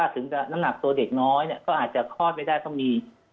ถึงน้ำหนักตัวเด็กน้อยก็อาจจะคลอดไม่ได้ต้องมี